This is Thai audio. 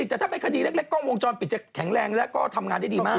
แต่ถ้าเป็นคดีเล็กกล้องวงจรปิดจะแข็งแรงแล้วก็ทำงานได้ดีมาก